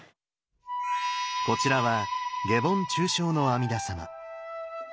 こちらは下品中生の阿弥陀様。